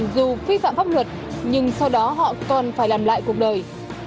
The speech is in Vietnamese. dù vi phạm pháp luật nhưng sau đó họ còn phải làm lại cuộc đời